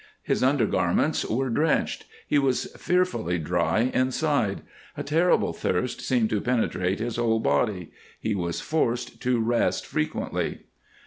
His undergarments were drenched; he was fearfully dry inside; a terrible thirst seemed to penetrate his whole body; he was forced to rest frequently.